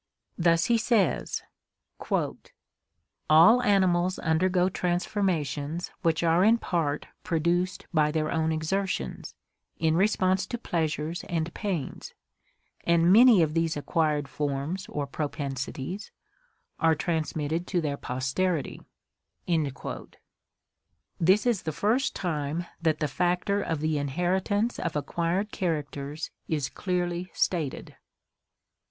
Thus he says: "All animals undergo transformations which are in part pro duced by their own exertions, in response to pleasures and pains, and many of these acquired forms or propensities are transmitted to their posterity." This is the first time that the factor of the inheritance of acquired characters is clearly stated.